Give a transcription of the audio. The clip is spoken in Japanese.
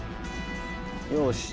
よし。